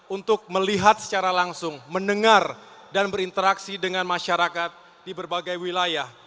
untuk melihat secara langsung mendengar dan berinteraksi dengan masyarakat di berbagai wilayah